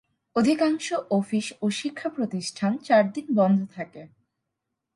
অধিকাংশ অফিস ও শিক্ষাপ্রতিষ্ঠান চার দিন বন্ধ থাকে।